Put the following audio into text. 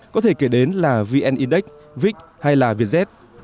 có thể kể đến là vn index vix hay là vietjet